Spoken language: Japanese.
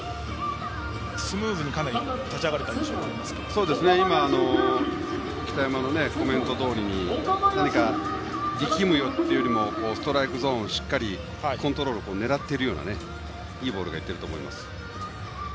スムーズに立ち上がれた北山のコメントどおりに力むというよりはストライクゾーンにしっかりコントロールを狙っているようないいボールが行っていると思います。